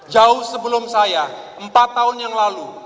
jauh sebelum saya empat tahun yang lalu